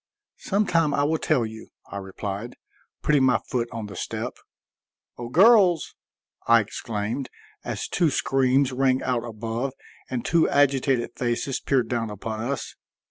"Some time I will tell you," I replied, putting my foot on the step. "O girls!" I exclaimed, as two screams rang out above and two agitated faces peered down upon us.